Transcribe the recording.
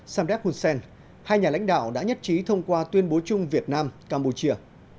samdek hunsen hai nhà lãnh đạo đã nhất trí thông qua tuyên bố chung việt nam campuchia